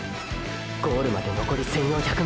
ゴールまでのこり１４００